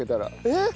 えっ？